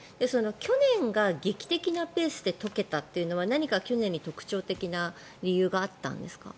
去年が劇的なペースで解けたというのは何か去年に特徴的な理由があったんですか？